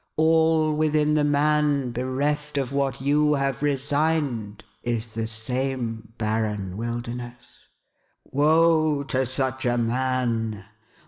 All within the man bereft of what you have resigned, is the same barren wilderness. Woe to such a man